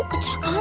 gimana tuh leh